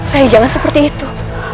rai jangan seperti itu